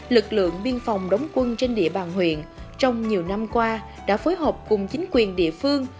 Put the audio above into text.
lực lượng biên phòng đóng quân trên địa bàn huyện trong nhiều năm qua đã phối hợp cùng chính quyền địa phương